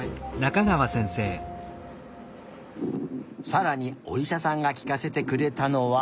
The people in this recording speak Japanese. さらにおいしゃさんがきかせてくれたのは？